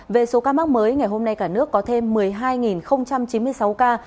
về số ca mắc mới ngày hôm nay cả nước có thêm một mươi hai chín mươi sáu ca